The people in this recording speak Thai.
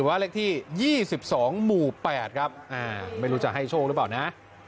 ว่าเลขที่๒๒หมู่๘ครับไม่รู้จะให้โชคหรือเปล่านะ